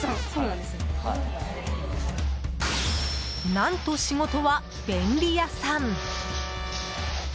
何と、仕事は便利屋さん。